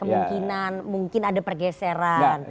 kemungkinan mungkin ada pergeseran